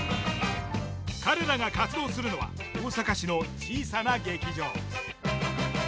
彼らが活動するのは大阪市の小さな劇場。